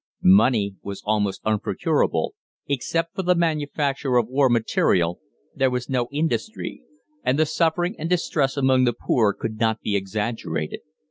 Money was almost unprocurable; except for the manufacture of war material, there was no industry; and the suffering and distress among the poor could not be exaggerated.